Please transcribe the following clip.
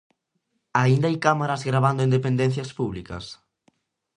Aínda hai cámaras gravando en dependencias públicas?